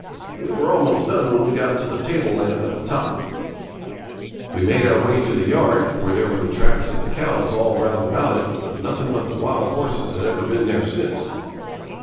We were almost done when we got to the tableland at the top. We made our way to the yard, where there were the tracks of the cows all round about it, but nothing but the wild horses had ever been there since.